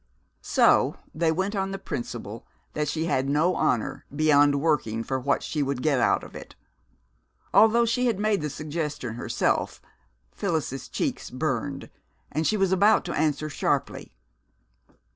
So they went on the principle that she had no honor beyond working for what she would get out of it! Although she had made the suggestion herself, Phyllis's cheeks burned, and she was about to answer sharply.